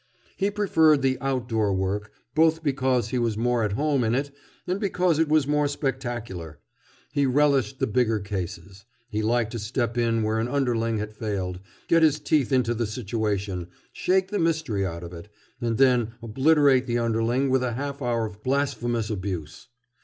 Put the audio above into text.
He preferred the "outdoor" work, both because he was more at home in it and because it was more spectacular. He relished the bigger cases. He liked to step in where an underling had failed, get his teeth into the situation, shake the mystery out of it, and then obliterate the underling with a half hour of blasphemous abuse.